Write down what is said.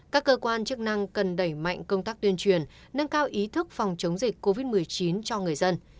các cơ quan chức năng cần đẩy mạnh công tác tuyên truyền nâng cao ý thức phòng chống dịch covid một mươi chín cho người dân